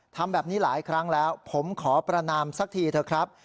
ทำแบบนี้หลายครั้งแล้วผมขอประนามสักทีเถอะครับ